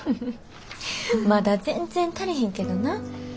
まだ全然足りひんけどな。